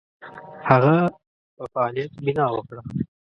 هغه په فعالیت بناء وکړه.